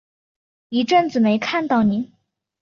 一阵子没看到妳